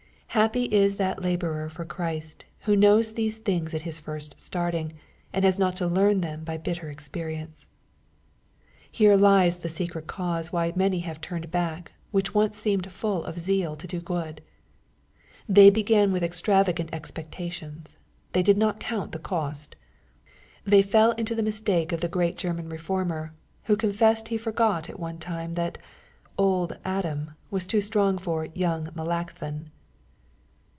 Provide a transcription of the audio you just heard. Happy is that laborer for Christ, who knows these things at his first starting, and has not to learn them by bitter experience ! Here lies the secret cause why many have turned back, who once seemed full of zeal to do good. They began with extravagant expectations. They did not count the cost. They fell into the mistake of the great German Eeformer, who confessed he forgot at one time, that " old Adam was too strong for young Melancthon."